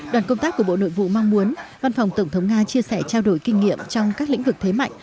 đoàn công tác của bộ nội vụ mong muốn văn phòng tổng thống nga chia sẻ trao đổi kinh nghiệm trong các lĩnh vực thế mạnh